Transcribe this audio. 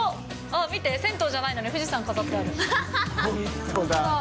見て、銭湯じゃないのに富士山飾ってある。